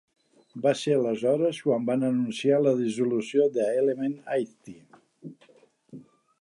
Va ser aleshores quan van anunciar la dissolució d'Element Eighty.